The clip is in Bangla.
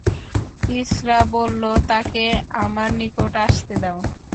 কিসরা বলল, তাকে আমার নিকট আসতে দাও।